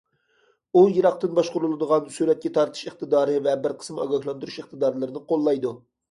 ئۇ يىراقتىن باشقۇرۇلىدىغان سۈرەتكە تارتىش ئىقتىدارى ۋە بىر قىسىم ئاگاھلاندۇرۇش ئىقتىدارلىرىنى قوللايدۇ.